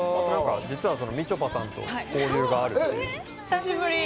実はみちょぱさんと交流があ久しぶり。